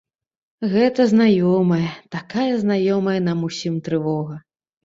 Гэта знаёмая, такая знаёмая нам усім трывога!